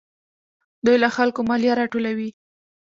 دوی له خلکو مالیه راټولوي.